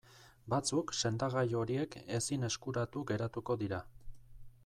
Batzuk sendagai horiek ezin eskuratu geratuko dira.